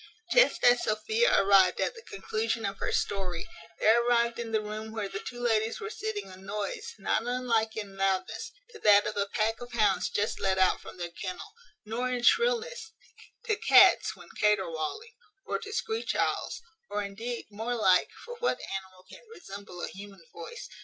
Just as Sophia arrived at the conclusion of her story, there arrived in the room where the two ladies were sitting a noise, not unlike, in loudness, to that of a pack of hounds just let out from their kennel; nor, in shrillness, to cats, when caterwauling; or to screech owls; or, indeed, more like (for what animal can resemble a human voice?)